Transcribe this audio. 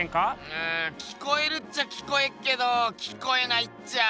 うん聞こえるっちゃ聞こえっけど聞こえないっちゃ。